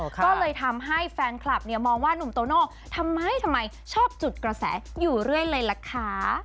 ก็เลยทำให้แฟนคลับเนี่ยมองว่านุ่มโตโน่ทำไมทำไมชอบจุดกระแสอยู่เรื่อยเลยล่ะคะ